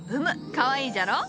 かわいいじゃろ？